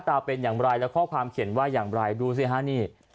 เป็นอย่างไรและข้อความเขียนว่าอย่างไรดูสิฮะนี่